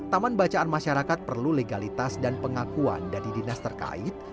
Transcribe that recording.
taman bacaan masyarakat perlu legalitas dan pengakuan dari dinas terkait